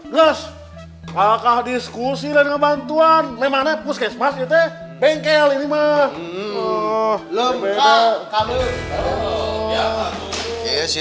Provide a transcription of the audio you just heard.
lus pangkah diskusi dan kebantuan memangnya puskesmas itu bengkel ini mah lemka kamu